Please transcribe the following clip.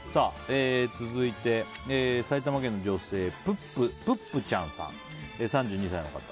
続いて、埼玉県の女性３２歳の方。